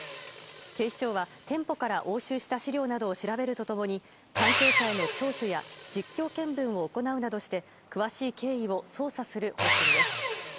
警視庁は店舗から押収した資料を調べるとともに関係者への聴取や実況見分を行うなどして詳しい経緯を捜査する方針です。